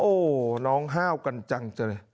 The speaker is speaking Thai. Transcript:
โอ้โหน้องห้าวกันจังเลย